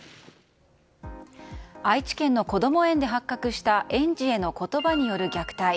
愛知県のこども園で発覚した園児への言葉による虐待。